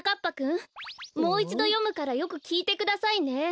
ぱくんもういちどよむからよくきいてくださいね。